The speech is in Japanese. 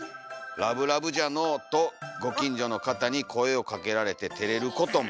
「『ラブラブじゃのお』と御近所の方に声をかけられて照れることも」。